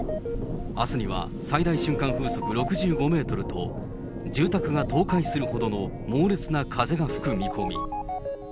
あすには最大瞬間風速６５メートルと、住宅が倒壊するほどの猛烈な風が吹く見込み。